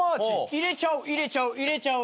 入れちゃう入れちゃう入れちゃうよ。